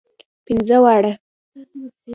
پنځه واړه.